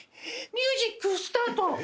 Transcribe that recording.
ミュージックスタート。